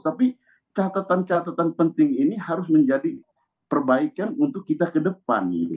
tapi catatan catatan penting ini harus menjadi perbaikan untuk kita ke depan